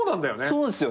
そうですよね。